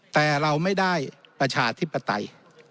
แต่เราไม่ได้ประชาธิปไตย